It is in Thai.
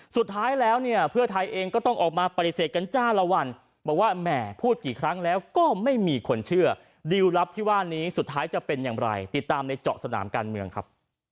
สุดท้ายแล้วเนี่ยเพื่อไทยเองก็ต้องออกมาปฏิเสธกันจ้าละวันบอกว่าแหมพูดกี่ครั้งแล้วก็ไม่มีคนเชื่อดิวลลับที่ว่านี้สุดท้ายจะเป็นอย่างไรติดตามในเจาะสนามการเมืองครับ